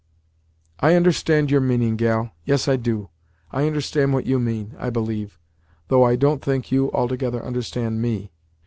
"I understand your meaning, gal; yes, I do understand what you mean, I believe, though I don't think you altogether understand me.